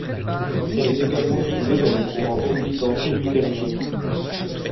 Elle est également trouvée dans les courants anglicans et luthériens.